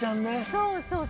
そうそう。